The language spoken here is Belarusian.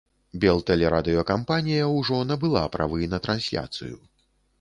Белтэлерадыёкампанія ўжо набыла правы на трансляцыю.